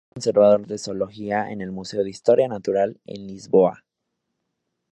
Fue conservador de zoología en el Museo de Historia Natural en Lisboa.